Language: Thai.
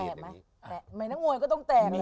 แตกไหมไม่นักมวยก็ต้องแตกเลย